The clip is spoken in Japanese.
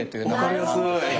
わかりやすい！